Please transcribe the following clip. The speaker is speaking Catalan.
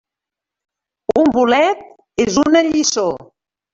Un bolet és una lliçó.